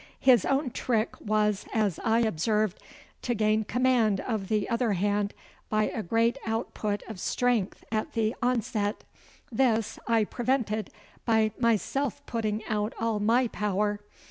His own trick was, as I observed, to gain command of the other hand by a great output of strength at the onset. This I prevented by myself putting out all my power.